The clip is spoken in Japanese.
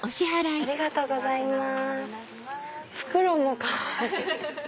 ありがとうございます。